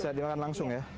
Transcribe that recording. sehat dimakan langsung ya